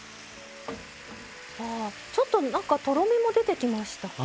ちょっとなんかとろみも出てきましたか？